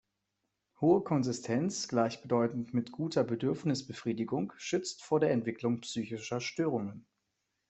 Hohe Konsistenz, gleichbedeutend mit guter Bedürfnisbefriedigung, schützt vor der Entwicklung psychischer Störungen.